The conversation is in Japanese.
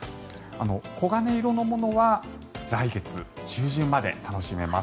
黄金色のものは来月中旬まで楽しめます。